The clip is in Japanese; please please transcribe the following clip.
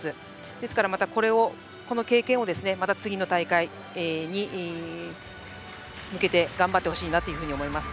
ですからこの経験をまた次の大会に向けて頑張ってほしいと思います。